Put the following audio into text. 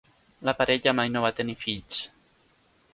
La parella mai no va tenir fills.